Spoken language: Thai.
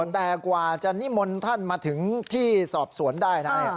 แต่กว่าจะนิมนต์ท่านมาถึงที่สอบสวนได้นะ